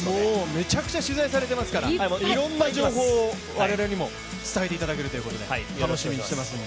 めちゃくちゃ取材されていますから、いろんな情報を我々にも伝えていただけるということで、楽しみにしていますので。